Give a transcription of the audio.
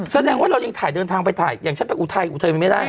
แสดงว่าเรายังถ่ายเดินทางไปถ่ายอย่างฉันไปอุทัยอุทัยมันไม่ได้